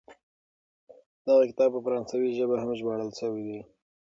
دغه کتاب په فرانسوي ژبه هم ژباړل سوی دی.